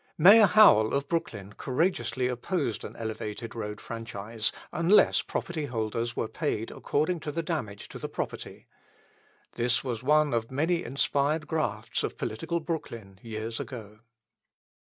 Mayor Howell, of Brooklyn, courageously opposed an elevated road franchise, unless property holders were paid according to the damage to the property. This was one of many inspired grafts of political Brooklyn, years ago.